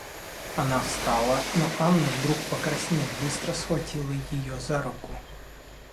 Она встала, но Анна, вдруг покраснев, быстро схватила ее за руку.